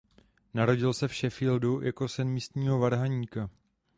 Narodil se v Sheffieldu jako syn místního varhaníka.